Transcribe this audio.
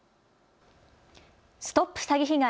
ＳＴＯＰ詐欺被害！